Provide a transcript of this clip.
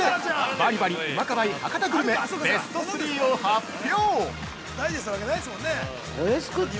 バリバリうまかばい博多グルメベスト３を発表！